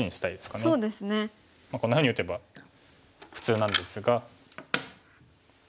こんなふうに打てば普通なんですが。